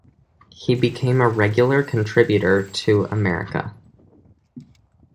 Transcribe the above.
He became a regular contributor to "America".